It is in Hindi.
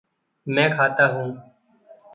मैं खाता हूँ।